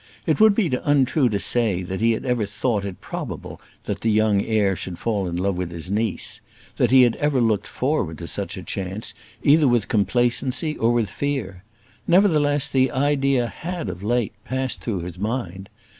It would be untrue to say that he had ever thought it probable that the young heir should fall in love with his niece; that he had ever looked forward to such a chance, either with complacency or with fear; nevertheless, the idea had of late passed through his mind.